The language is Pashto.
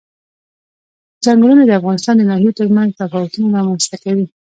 ځنګلونه د افغانستان د ناحیو ترمنځ تفاوتونه رامنځ ته کوي.